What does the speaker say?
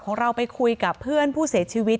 ของเราไปคุยกับเพื่อนผู้เสียชีวิต